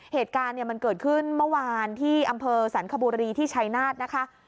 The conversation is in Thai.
เหตุการณ์มันเกิดขึ้นเมื่อวานที่อำเภอสรรคบุรีที่ชัยนาธนะคะ